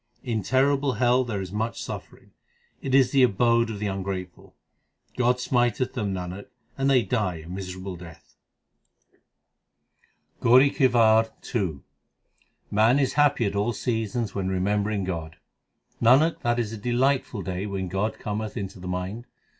In terrible hell there is much suffering ; it is the abode of the ungrateful. God smiteth them, Nanak, and they die a miserable death. GAURI KI WAR II Man is happy at all seasons when remembering God: Nanak, that is a delightful day when God cometh into the mind.